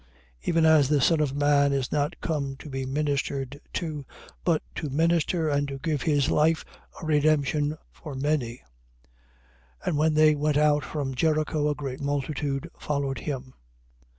20:28. Even as the Son of man is not come to be ministered unto, but to minister and to give his life a redemption for many. 20:29. And when they went out from Jericho, a great multitude followed him.